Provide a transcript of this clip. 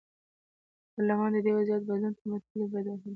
پارلمان د دې وضعیت بدلون ته مټې بډ وهلې.